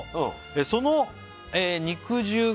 「その肉汁が」